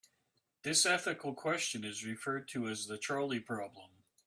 This ethical question is referred to as the trolley problem.